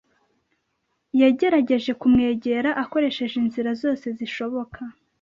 Yagerageje kumwegera akoresheje inzira zose zishoboka.